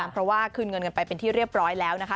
เพราะว่าคืนเงินกันไปเป็นที่เรียบร้อยแล้วนะคะ